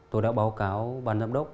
tôi đã báo cáo ban giám đốc